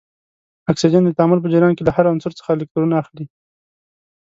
اکسیجن د تعامل په جریان کې له هر عنصر څخه الکترون اخلي.